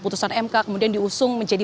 putusan mk kemudian diusung menjadi